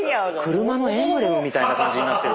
車のエンブレムみたいな感じになってる。